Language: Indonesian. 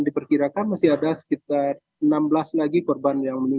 diperkirakan masih ada sekitar enam belas lagi korban yang meninggal